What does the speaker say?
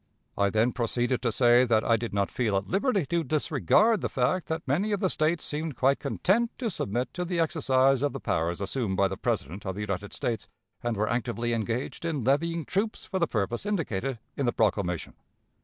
I then proceeded to say that I did not feel at liberty to disregard the fact that many of the States seemed quite content to submit to the exercise of the powers assumed by the President of the United States, and were actively engaged in levying troops for the purpose indicated in the proclamation.